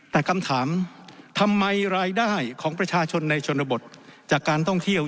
แต่คำถามทำไมรายได้ของประชาชนในชนบทจากการท่องเที่ยว